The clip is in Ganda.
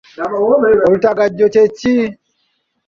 Olutagajjo kye ki?